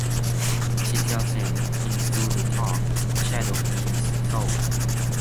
She tells him, In voodoo talk, 'shadow' means soul.